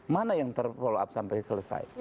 mana yang terpolo up sampai selesai